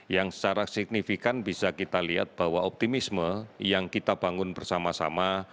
yang secara signifikan bisa kita lihat bahwa optimisme yang kita bangun bersama sama